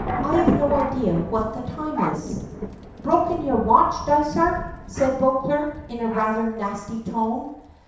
"I have no idea what the time is." "Broken your watch, Dysart?" says Beauclerk, in a rather nasty tone.